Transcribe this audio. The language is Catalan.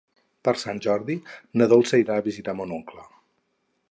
Per Sant Jordi na Dolça irà a visitar mon oncle.